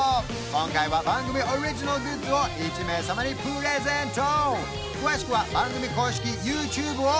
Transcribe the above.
今回は番組オリジナルグッズを１名様にプレゼント詳しくは番組公式ＹｏｕＴｕｂｅをｃｈｅｃｋｉｔｏｕｔ！